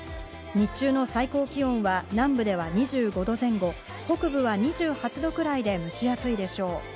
日中の最高気温は南部では２５度前後、北部は２８度くらいで蒸し暑いでしょう。